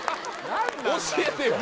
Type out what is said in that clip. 教えてよ